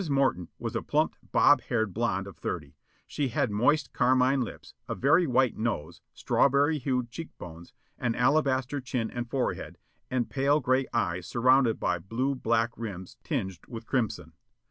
Morton was a plump, bobbed hair blond of thirty. She had moist carmine lips, a very white nose, strawberry hued cheek bones, an alabaster chin and forehead, and pale, gray eyes surrounded by blue black rims tinged with crimson.